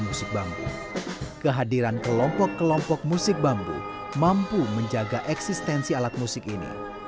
dari kementerian pendidikan dan kebudayaan pada tahun dua ribu enam belas